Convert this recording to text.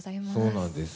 そうなんです。